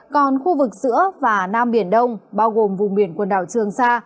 còn khu vực giữa và nam biển đông bao gồm vùng biển quần đảo trường sa